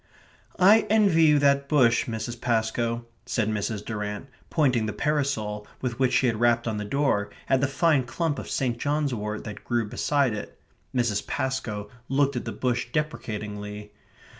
"I envy you that bush, Mrs. Pascoe," said Mrs. Durrant, pointing the parasol with which she had rapped on the door at the fine clump of St. John's wort that grew beside it. Mrs. Pascoe looked at the bush deprecatingly.